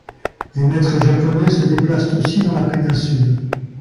Des maitres japonais se déplacent aussi dans la péninsule.